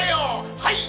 はい！」